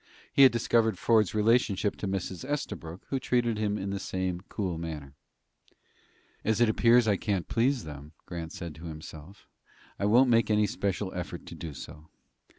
He had discovered Ford's relationship to Mrs. Estabrook, who treated him in the same cool manner. "As it appears I can't please them," Grant said to himself, "I won't make any special effort to do so."